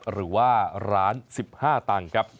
หรือว่าร้าน๑๕ตังค์ครับ